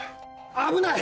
危ない！